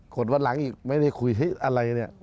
กดวันหลังอีกไม่ได้คุยเฮ้ยอะไรนี่